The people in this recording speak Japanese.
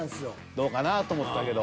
どうかなと思ったけど。